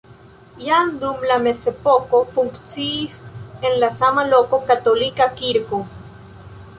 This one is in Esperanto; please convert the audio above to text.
Jam dum la mezepoko funkciis en la sama loko katolika kirko.